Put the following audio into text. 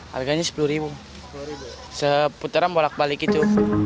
harganya sepuluh ribu seputaran bolak balik itu